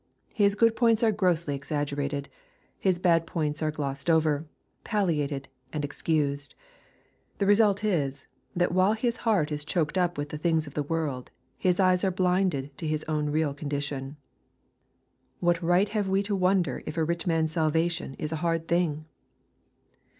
His good points are grossly exaggerated. His bad points are glossed over, palliated, and excused. The result is, that while his heart is choked up with the things of the world, his eyes are blinded to his own real condition. What right have we to wonder is a rich man's salvatian is a hard thing